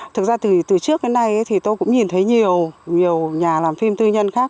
thực ra từ trước đến nay thì tôi cũng nhìn thấy nhiều nhiều nhà làm phim tư nhân khác